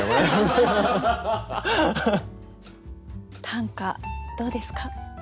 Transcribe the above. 短歌どうですか？